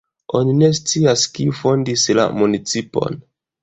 Oni ne scias kiu fondis la municipon.